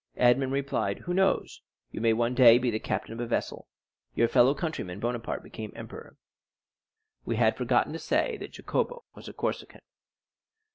Edmond replied, "Who knows? You may one day be the captain of a vessel. Your fellow countryman, Bonaparte, became emperor." We had forgotten to say that Jacopo was a Corsican.